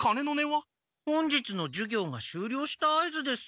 本日の授業がしゅうりょうした合図です。